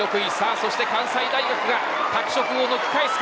そして関西大学が拓殖を抜き返すか。